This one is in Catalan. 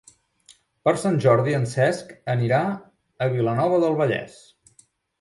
Per Sant Jordi en Cesc anirà a Vilanova del Vallès.